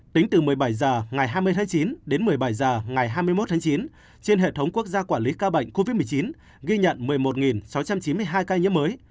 tính từ một mươi bảy h ngày hai mươi tháng chín đến một mươi bảy h ngày hai mươi một tháng chín trên hệ thống quốc gia quản lý ca bệnh covid một mươi chín ghi nhận một mươi một sáu trăm chín mươi hai ca nhiễm mới